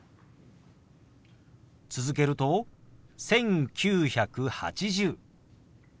続けると「１９８０」。